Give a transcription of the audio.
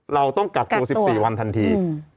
เราต้องกักตัว๑๔วันทันที